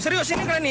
serius ini keren nih